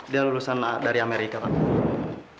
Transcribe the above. dia lulusan dari amerika pak